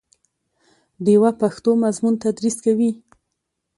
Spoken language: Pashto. ډیوه پښتو مضمون تدریس کوي